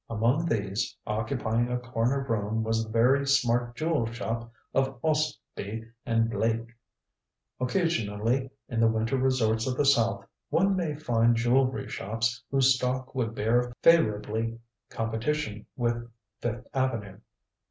Among these, occupying a corner room was the very smart jewel shop of Ostby and Blake. Occasionally in the winter resorts of the South one may find jewelry shops whose stock would bear favorably competition with Fifth Avenue.